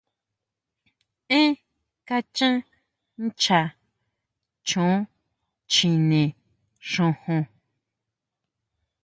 Énn kachan nchá choon chjine xojon.